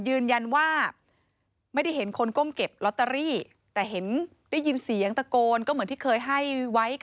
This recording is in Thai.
ยืนยันว่าไม่ได้เห็นคนก้มเก็บล็อตเตอรี่